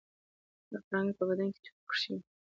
د پړانګ په بدن تورې کرښې وي